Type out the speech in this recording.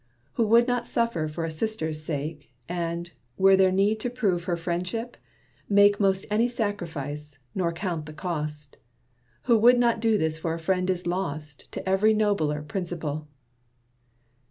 Who would not suffer for a sister's sake, And, were there need to prove her friendship, make 'Most any sacrifice, nor count the cost. Who would not do this for a friend is lost To every nobler principle."